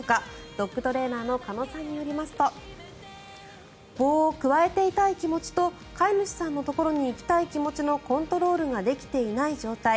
ドッグトレーナーの鹿野さんによりますと棒をくわえていたい気持ちと飼い主さんのところに行きたい気持ちのコントロールができていない状態